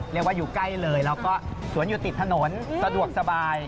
เรียกว่าอยู่ใกล้เลยแล้วก็สวนอยู่ติดถนนสะดวกสบาย